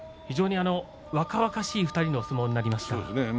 非常に若々しい２人の相撲になりましたね。